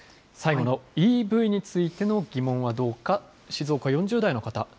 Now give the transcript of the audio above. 最後のＥＶについての疑問はどうか、静岡４０代の方。